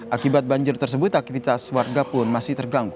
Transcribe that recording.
akibat banjir tersebut aktivitas warga pun masih terganggu